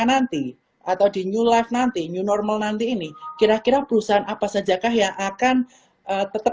nanti atau di new life nanti new normal nanti ini kira kira perusahaan apa saja kah yang akan tetap